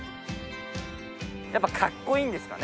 やっぱかっこいいんですかね。